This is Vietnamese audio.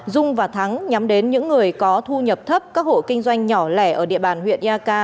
dung và thắng nhắm đến những người có thu nhập thấp các hộ kinh doanh nhỏ lẻ ở địa bàn huyện eak